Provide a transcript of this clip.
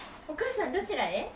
お母さんどちらへ？